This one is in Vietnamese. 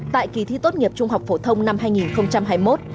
tại kỳ thi tốt nghiệp trung học phổ thông năm hai nghìn hai mươi một